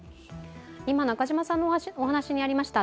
今、中島さんのお話にありました